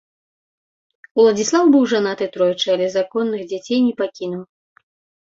Уладзіслаў быў жанаты тройчы, але законных дзяцей не пакінуў.